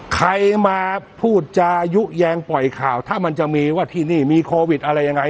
ใครมาพูดจายุแยงปล่อยข่าวถ้ามันจะมีว่าที่นี่มีโควิดอะไรยังไง